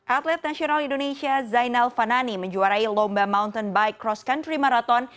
atlet nasional indonesia zainal fanani menjuarai lomba mountain bike cross country marathon